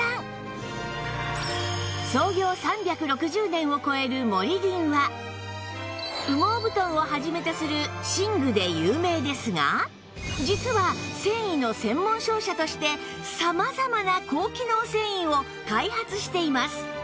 創業３６０年を超えるモリリンは羽毛布団を始めとする寝具で有名ですが実は繊維の専門商社として様々な高機能繊維を開発しています